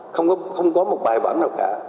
không có một bài bản nào cả